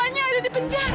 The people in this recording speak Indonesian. apanya ada di penjara